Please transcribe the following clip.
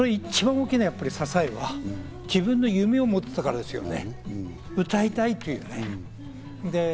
それ、一番大きな支えは、自分の夢を持ってたからですよね、歌いたいという。